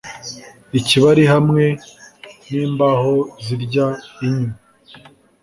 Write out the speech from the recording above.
Ikibari hamwe nimbaho zirya inyo